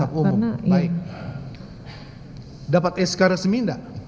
staff umum baik dapat sk resmi enggak